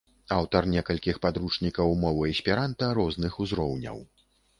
Аўтар некалькіх падручнікаў мовы эсперанта розных узроўняў.